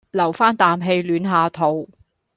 留返啖氣暖下肚